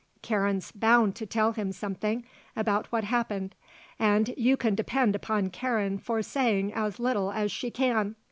Karen's bound to tell him something about what happened, and you can depend upon Karen for saying as little as she can.